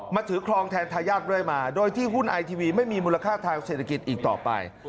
ถือครองแทนทายาทเรื่อยมาโดยที่หุ้นไอทีวีไม่มีมูลค่าทางเศรษฐกิจอีกต่อไป